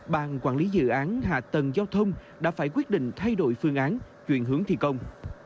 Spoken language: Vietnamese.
bàn quản lý dự án hạ tầng giao thông đã phải quyết định thay đổi phương án chuyển hướng thi công